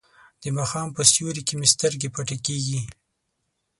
د ماښام په سیوري کې مې سترګې پټې کیږي.